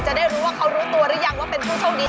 จะได้รู้ว่าเขารู้ตัวหรือยังว่าเป็นผู้โชคดี